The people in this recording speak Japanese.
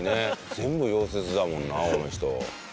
全部溶接だもんなこの人。